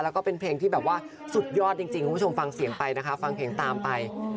แล้วก็เป็นเพลงที่แบบว่าสุดยอดจริงคุณผู้ชมฟังเสียงไปนะคะฟังเพลงตามไป